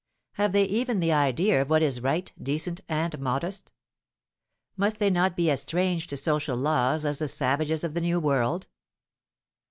Have they even the idea of what is right, decent, and modest? Must they not be as strange to social laws as the savages of the New World?